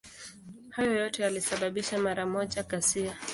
Hayo yote yalisababisha mara moja ghasia.